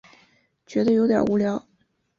觉得有点无聊